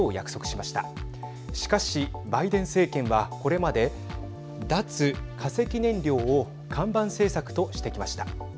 しかし、バイデン政権はこれまで脱・化石燃料を看板政策としてきました。